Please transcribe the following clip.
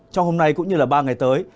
trong hôm nay cũng như là ba ngày tới